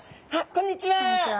こんにちは。